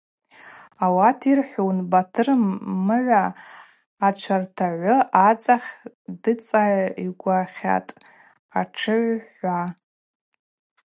Ауат йырхӏвун: Батыр мыгӏва ачвартагъвы ацӏахь дыцӏайгвахьатӏ атшыгӏв – хӏва.